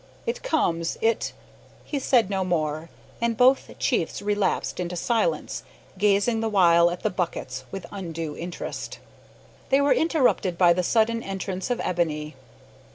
it comes it " He said no more, and both chiefs relapsed into silence gazing the while at the buckets with undue interest. They were interrupted by the sudden entrance of Ebony.